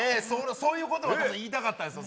そういうことを言いたかったんですよ。